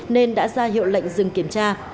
nên đã ra hiệu lệnh dừng kiểm tra